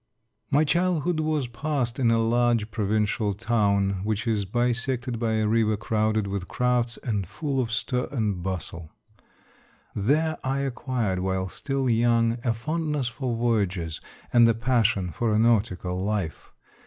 My childhood was passed in a large provincial town which is bisected by a river crowded with crafts, and full of stir and bustle ; there I acquired while still young a fondness for voyages, and the passion for a nautical life.